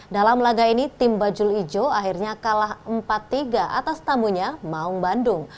dalam laga ini tim bajul ijo akhirnya kalah empat tiga atas tamunya maung bandung